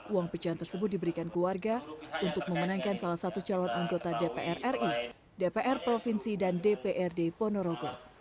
uang pecahan tersebut diberikan keluarga untuk memenangkan salah satu calon anggota dpr ri dpr provinsi dan dprd ponorogo